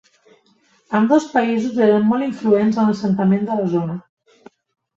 Ambdós països eren molt influents en l'assentament de la zona.